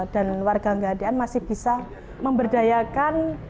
dan warga nge ndn masih bisa memberdayakan